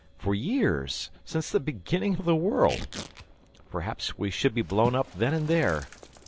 for years ... since the beginning of the world. Perhaps we should be blown up then and there!